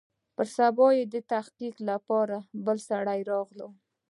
پر سبا يې د تحقيق لپاره بل سړى راغى.